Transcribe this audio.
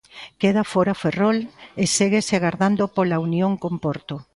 Queda fóra Ferrol e séguese agardando pola unión con Porto.